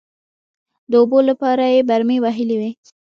د اوبو لپاره يې برمې وهلې وې.